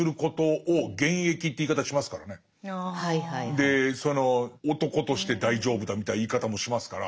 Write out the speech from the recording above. でその男として大丈夫だみたいな言い方もしますから。